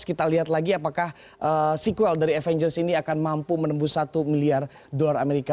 kita lihat lagi apakah sequel dari avengers ini akan mampu menembus satu miliar dolar amerika